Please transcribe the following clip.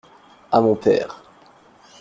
À mon père.